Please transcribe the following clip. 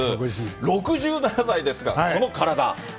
６７歳ですから、この体。